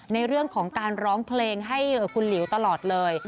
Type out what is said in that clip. ในเรื่องของการร้องเพลงให้คุณหลิวตลอดเลย